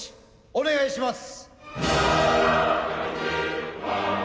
お願いします。